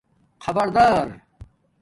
خبَردار